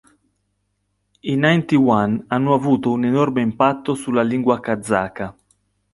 I Ninety One hanno avuto un enorme impatto sulla lingua kazaka.